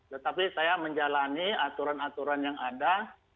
tetapi saya menjalani aturan aturan yang ada